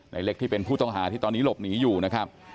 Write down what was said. เล็กที่เป็นผู้ต้องหาที่ตอนนี้หลบหนีอยู่นะครับ